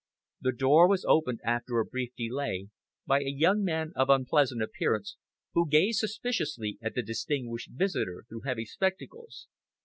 The door was opened, after a brief delay, by a young man of unpleasant appearance, who gazed suspiciously at the distinguished visitor through heavy spectacles.